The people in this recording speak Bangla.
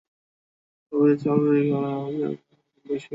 খাবারে চর্বি পরিমাণ নিয়ন্ত্রণে রাখতে ভাজার চেয়ে গ্রিল খাবারই বেশি পছন্দ তাঁর।